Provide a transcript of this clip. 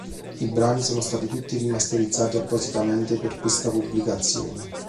I brani sono stati tutti rimasterizzati appositamente per questa pubblicazione.